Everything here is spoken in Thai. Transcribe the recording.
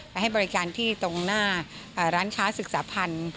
ให้บริการที่ตรงหน้าร้านค้าศึกษาพันธ์